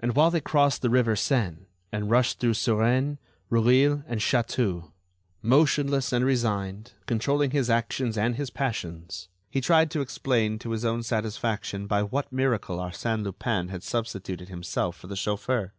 And while they crossed the river Seine and rushed through Suresnes, Rueil and Chatou, motionless and resigned, controlling his actions and his passions, he tried to explain to his own satisfaction by what miracle Arsène Lupin had substituted himself for the chauffeur.